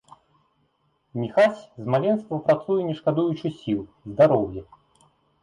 Міхась з маленства працуе не шкадуючы сіл, здароўя.